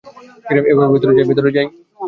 এবার ভেতরে যাই?